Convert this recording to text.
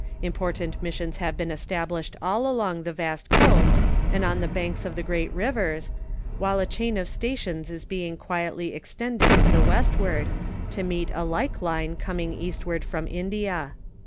Important missions have in China , i t i i n i i t , been established ail along the vast coast and on the banks of the great rivers, while a chain of stations is being quietly extended to the westward, to meet a like line coming eastward from India.